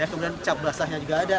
kemudian cap basahnya juga ada